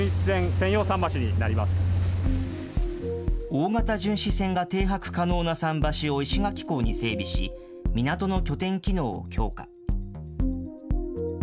大型巡視船が停泊可能な桟橋を石垣港に整備し、港の拠点機能を強化。